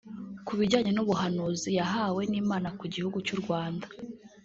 Ku bijyanye n’ubuhanuzi yahawe n’Imana ku gihugu cy’u Rwanda